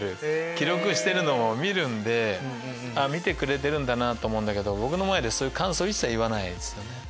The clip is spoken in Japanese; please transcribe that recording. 記録してるのを見るんで見てくれてるんだなと思うけど僕の前でそういう感想一切言わないです。